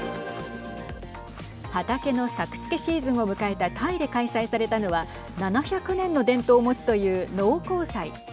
畑の作付けシーズンを迎えたタイで開催されたのは７００年の伝統を持つという農耕祭。